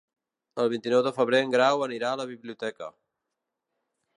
El vint-i-nou de febrer en Grau anirà a la biblioteca.